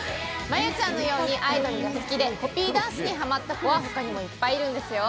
まゆちゃんのようにアイドルが好きでコピーダンスにハマった子は他にもいっぱいいるんですよ。